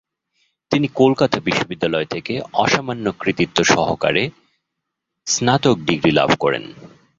তিনি কলকাতা বিশ্ববিদ্যালয় থেকে আসামান্য কৃতিত্ব সহকারে স্নাতক ডিগ্রী লাভ করেন।